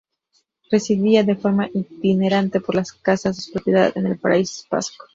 Residía de forma itinerante por las casas de su propiedad en el País Vasco.